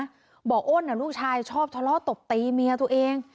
ตลอดนะบอกโอน่ะลูกชายชอบทะเลาะตบตีเมียตัวเอง